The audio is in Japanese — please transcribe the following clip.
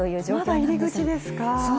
まだ入り口ですか。